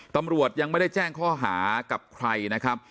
ตำรวจยังไม่ได้แจ้งข้อหากับใครนะครับ